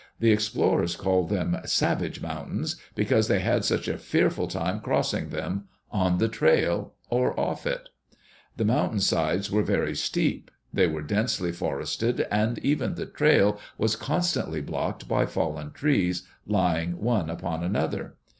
The explorers called them "savage" moun tains, because they had such a fearful time crossing them, on the trail or off it. The mountain sides were very steep ; Digitized by VjOOQ IC JHE ADVENTURES OF LEWIS AND CLARK they were densely forested, and even the trail was con stantly blocked by fallen trees, lying one upon another.